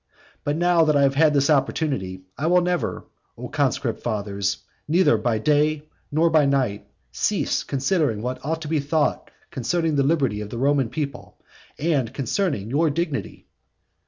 But now that I have this opportunity, I will never, O conscript fathers, neither by day nor by night, cease considering what ought to be thought concerning the liberty of the Roman people, and concerning your dignity.